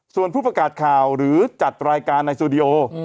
ส่วนผู้ประกาศข่าวหรือจัดรายการในสตูดิโอ